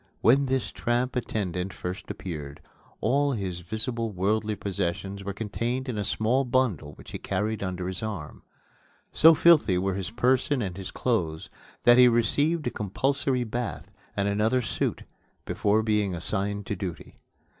When this tramp attendant first appeared, all his visible worldly possessions were contained in a small bundle which he carried under his arm. So filthy were his person and his clothes that he received a compulsory bath and another suit before being assigned to duty.